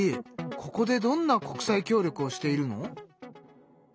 ここでどんな国際協力をしているの？